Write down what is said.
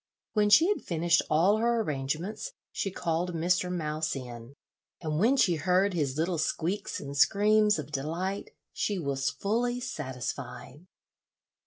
When she had finished all her arrangements she called Mr. Mouse in, and when she heard his little squeaks and screams of delight, she was fully satisfied.